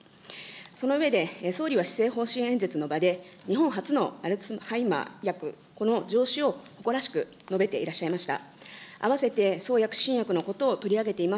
その上で、総理は施政方針演説の場で日本はつのアルツハイマー薬、この上市を誇らしく述べていらっしゃいました。